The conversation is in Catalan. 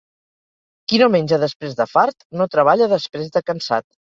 Qui no menja després de fart, no treballa després de cansat.